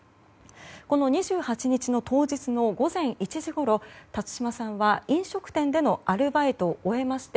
この２８日の当日の午前１時ごろ辰島さんは飲食店でのアルバイトを終えて